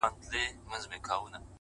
زما د چت درېيم دېوال ته شا ورکوي _